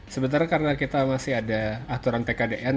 sementara karena kita masih ada aturan tkdn